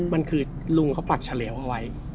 มันคือลุงเขาปักเฉลวเอาไว้